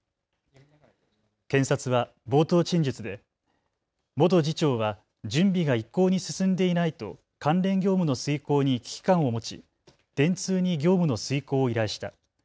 検察は冒頭陳述で元次長は準備が一向に進んでいないと関連業務の遂行に危機感を持ち電通に業務の遂行を依頼した。